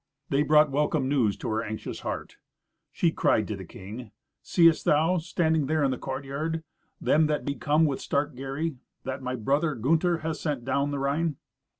They brought welcome news to her anxious heart. She cried to the king, "Seest thou, standing there in the courtyard, them that be come with stark Gary, that my brother Gunther hath sent down the Rhine?"